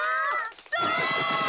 それ！